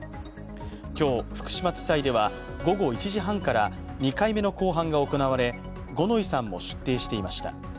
今日、福島地裁では午後１時半から２回目の公判が行われ、五ノ井さんも出廷していました。